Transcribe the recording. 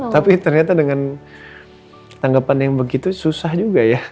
tapi ternyata dengan tanggapan yang begitu susah juga ya